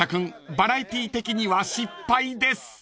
バラエティー的には失敗です］